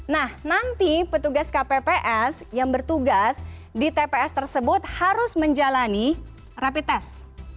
nah nanti petugas kpps yang bertugas di tps tersebut harus menjalani rapid test